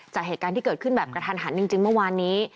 จากเหตุการณ์ที่เกิดขึ้นแบบกระทันหันจริงเมื่อวานนี้